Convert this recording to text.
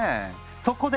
そこで！